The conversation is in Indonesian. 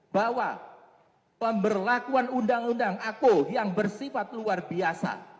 bahwa pemberlakuan undang undang aku yang bersifat luar biasa